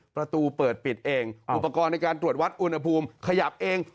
ประตูเปิดปิดปิดเอง